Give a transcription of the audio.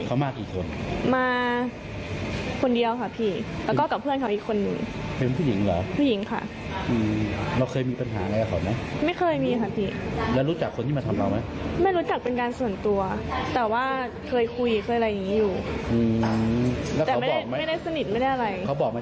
เขาบอกมาที่เขามาทำร้ายเราเขาสาเหตุอะไร